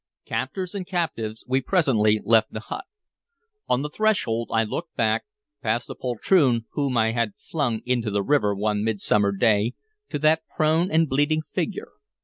Captors and captives, we presently left the hut. On the threshold I looked back, past the poltroon whom I had flung into the river one midsummer day, to that prone and bleeding figure.